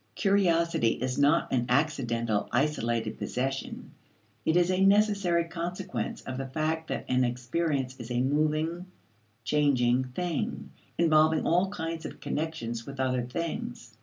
Curiosity is not an accidental isolated possession; it is a necessary consequence of the fact that an experience is a moving, changing thing, involving all kinds of connections with other things.